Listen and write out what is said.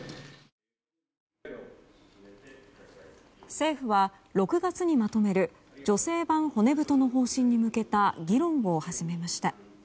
政府は６月にまとめる女性版骨太の方針に向けた議論を始めました。